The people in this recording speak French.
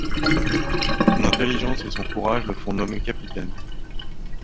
Son intelligence et son courage le font nommer capitaine.